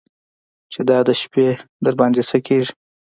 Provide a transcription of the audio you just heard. چې دا د شپې درباندې څه کېږي.